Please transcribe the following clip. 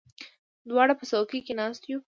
دواړه په څوکۍ کې ناست یو.